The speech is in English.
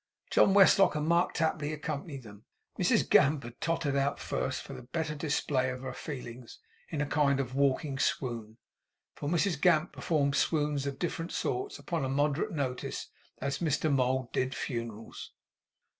John Westlock and Mark Tapley accompanied them. Mrs Gamp had tottered out first, for the better display of her feelings, in a kind of walking swoon; for Mrs Gamp performed swoons of different sorts, upon a moderate notice, as Mr Mould did Funerals.